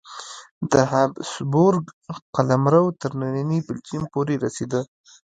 د هابسبورګ قلمرو تر ننني بلجیم پورې رسېده.